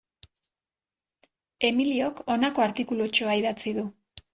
Emiliok honako artikulutxoa idatzi du.